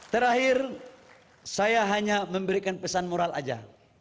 terakhir saya hanya memberikan pesan moral saja